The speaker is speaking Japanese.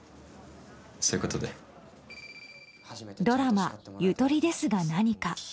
ドラマ「ゆとりですがなにか」。